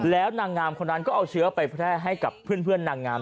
แล้วนางงามคนนั้นก็เอาเชื้อไปแพร่ให้กับเพื่อนนางงาม